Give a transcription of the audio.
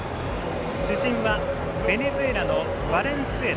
主審はベネズエラのバレンスエラ